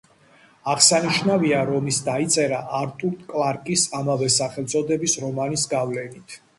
აღსანიშნავია, რომ ის დაიწერა არტურ კლარკის ამავე სახელწოდების რომანის გავლენით.